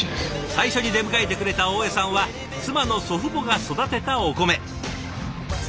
最初に出迎えてくれた大江さんは妻の祖父母が育てたお米。